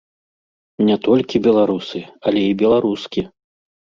Не толькі беларусы, але і беларускі!